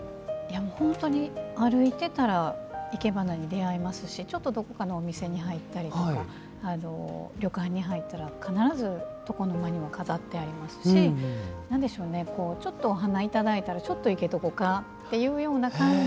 本当に、歩いてたらいけばなに出会いますしちょっとどこかのお店に入ったり旅館に入ったら、必ず床の間に飾ってありますしちょっとお花いただいたらちょっと生けとこかっていう感じ